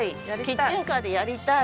キッチンカーでやりたい。